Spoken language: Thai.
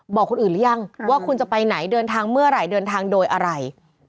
บอกคนอื่นหรือยังว่าคุณจะไปไหนเดินทางเมื่อไหร่เดินทางโดยอะไร